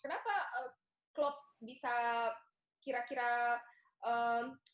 kenapa klopp bisa kira kira hanya berjaya